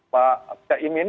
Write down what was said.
pak cak imin